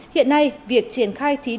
hiện nay việc triển khai thí đường